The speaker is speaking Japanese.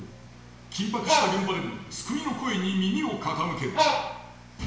緊迫した現場でも救いの声に耳を傾ける。